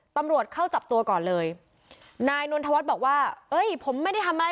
ตำรวจเข้าจับตัวก่อนเลยนายนนทวัฒน์บอกว่าเอ้ยผมไม่ได้ทำอะไร